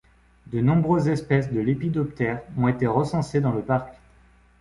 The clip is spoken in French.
De nombreuses espèces de lépidoptères ont été recensés dans le parc.